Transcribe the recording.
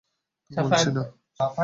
তা বলছি না।